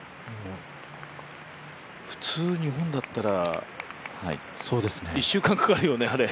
普通、日本だったら１週間かかるよね、あれ。